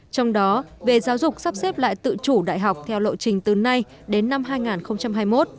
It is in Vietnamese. trong đó về giáo dục sắp xếp lại tự chủ đại học theo lộ trình từ nay đến năm hai nghìn hai mươi một